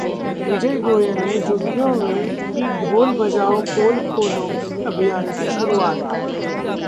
विजय गोयल ने झुग्गियों में की 'ढोल बजाओ पोल खोलो' अभियान की शुरुआत